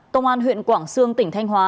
tông an huyện quảng sương tỉnh thanh hóa